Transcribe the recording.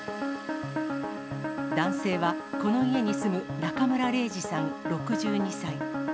男性は、この家に住む中村礼治さん６２歳。